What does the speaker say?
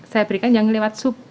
saya berikan yang lewat sup